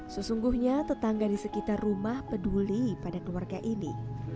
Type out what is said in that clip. sesungguhnya tetangga di sekitar rumah peduli pada keluarga ini